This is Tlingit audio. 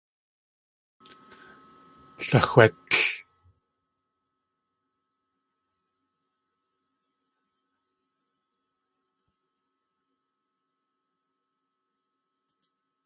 Laxwétl!